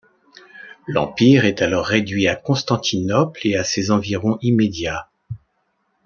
L’empire est alors réduit à Constantinople et à ses environs immédiats.